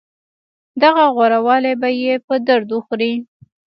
دغه غوره والی به يې په درد وخوري.